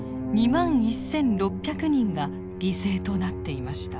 ２万１，６００人が犠牲となっていました。